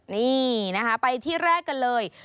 นี่นะคะไปที่แรกกันเลย